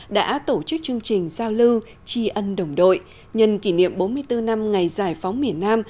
đã tổ chức chương trình giao lưu tri ân đồng đội nhân kỷ niệm bốn mươi bốn năm ngày giải phóng miền nam